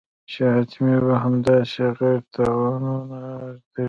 چې حتمي به همداسې غیرتونه توږي.